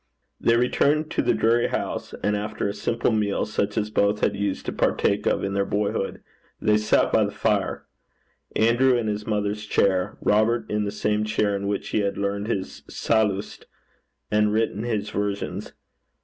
They returned to the dreary house, and after a simple meal such as both had used to partake of in their boyhood, they sat by the fire, Andrew in his mother's chair, Robert in the same chair in which he had learned his Sallust and written his versions.